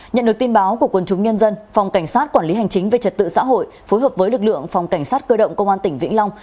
nhận được tin báo của quân chúng nhân dân phòng cảnh sát quản lý hành chính về trật tự xã hội phối hợp với lực lượng phòng cảnh sát cơ động công an tỉnh vĩnh long